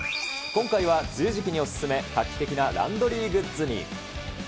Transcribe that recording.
今回は、梅雨時期にお勧め、画期的なランドリーグッズに。